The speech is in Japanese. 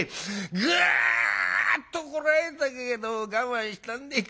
ぐっとこらえたけど我慢したんでい。